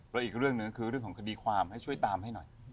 แล้วอีกเรื่องหนึ่งคือเรื่องของคดีความให้ช่วยตามให้หน่อย